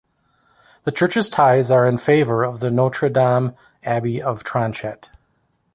The church’s tithes are in favor of the Notre-Dame abbey of Tronchet.